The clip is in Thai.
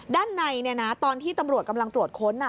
ด้านในตอนที่ตำรวจกำลังตรวจค้น